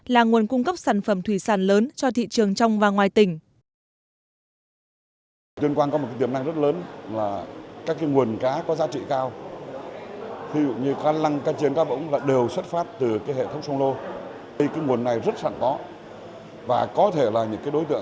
là nguồn cung cấp sản phẩm thủy sản lớn cho thị trường trong và ngoài tỉnh